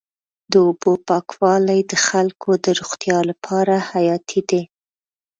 د اوبو پاکوالی د خلکو د روغتیا لپاره حیاتي دی.